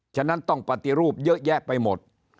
ฉะนั้นต้องปฏิรูปเยอะแยะไปหมด